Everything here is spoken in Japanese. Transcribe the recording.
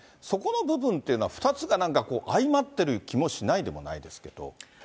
そこの部分っていうのは、２つがなんかこう、相まってる気もしないでもないですけど。